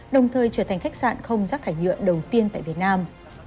đồng thời trở thành khách sạn không rác thải nhựa đầu tiên tại việt nam